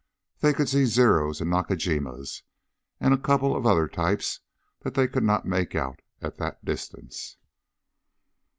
They could see Zeros and Nakajimas, and a couple of other types that they could not make out at that distance.